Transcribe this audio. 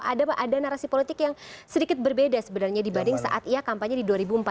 ada narasi politik yang sedikit berbeda sebenarnya dibanding saat ia kampanye di dua ribu empat belas